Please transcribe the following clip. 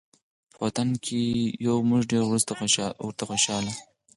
په وطن کې یو موږ ډېر ورته خوشحاله